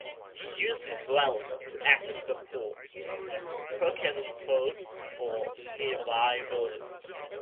He used his wealth to assist the poor, purchasing food for nearby villages.